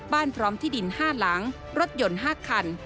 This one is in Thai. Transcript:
พร้อมที่ดิน๕หลังรถยนต์๕คัน